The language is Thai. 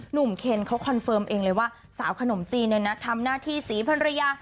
เคนเขาคอนเฟิร์มเองเลยว่าสาวขนมจีนเนี่ยนะทำหน้าที่สีพันรยา